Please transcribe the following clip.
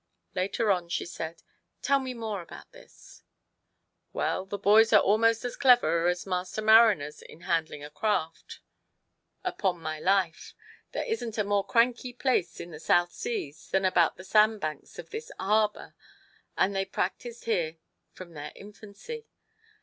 Later on she said, " Tell me more about this?" Well, the boys are almost as clever as master mariners in handling a craft, upon my 130 T^O PLEASE HIS WIFE. life. There isn't a more cranky place in the South Seas than about the sandbanks of this harbour, and they've practised here from their infancy.